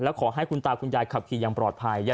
ขอให้คุณตาคุณยายขับขี่อย่างปลอดภัย